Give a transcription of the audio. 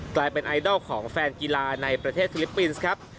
กลายเป็นไอดอลของแฟนกีฬาในประเทศฟิลิปปินส์ครับ